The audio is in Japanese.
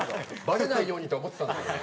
バレないようにと思ってたんだけど。